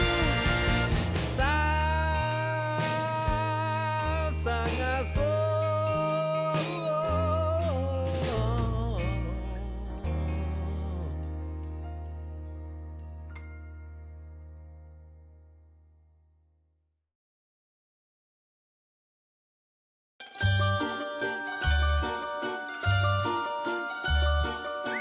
「さあさがそう」銭